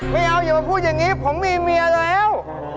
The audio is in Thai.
ไม่เอาอย่ามาพูดอย่างนี้ผมมีเมียแล้ว